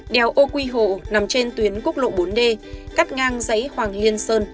đèo âu quy hồ nằm trên tuyến cúc lộ bốn d cắt ngang giấy hoàng liên sơn